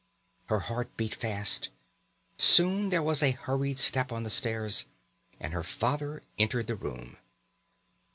Her heart beat fast. Soon there was a hurried step on the stairs, and her father entered the room.